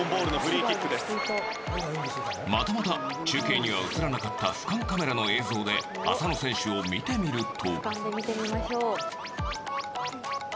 またまた中継には映らなかった俯瞰カメラの映像で浅野選手を見てみると。